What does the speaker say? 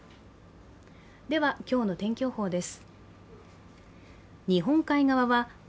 今日の天気予報です。